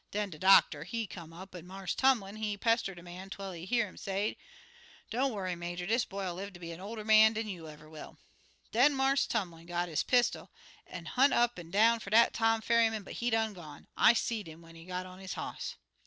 Den de doctor, he come up, an' Marse Tumlin, he pester de man twel he hear 'im say, 'Don't worry, Major; dis boy'll live ter be a older man dan you ever will.' Den Marse Tumlin got his pistol an' hunt up an' down fer dat ar Tom Ferryman, but he done gone. I seed 'im when he got on his hoss.